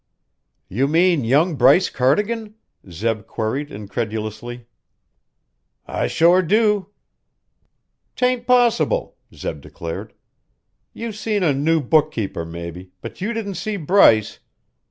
"You mean young Bryce Cardigan?" Zeb queried incredulously. "I shore do." "'Tain't possible," Zeb declared. "You seen a new bookkeeper, mebbe, but you didn't see Bryce.